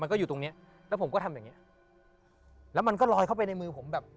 ก็อยู่ตรงเนี้ยแล้วผมก็ทำอย่างเงี้ยแล้วมันก็ลอยเข้าไปในมือผมแบบ